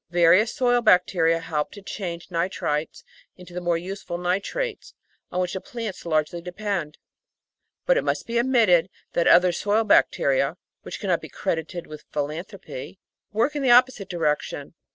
Various soil bacteria help to change nitrites into the more useful nitrates, on which plants largely depend ; but it must be admitted that other soil bacteria (which cannot be credited with philanthropy) work in the opposite direction.